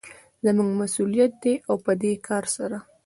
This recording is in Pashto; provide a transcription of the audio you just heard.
زموږ مسوليت دى او په دې کار سره